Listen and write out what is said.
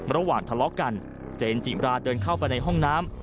ระหว่างทะเลาะกันเจนจิราเดินเข้าไปในห้องน้ำ